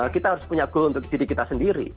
kita harus punya goal untuk diri kita sendiri